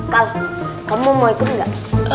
kal kamu mau ikut nggak